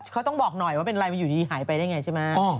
เขาต้องบอกหน่อยว่าเป็นไรมันอยู่ดีหายไปได้ไงใช่ไหม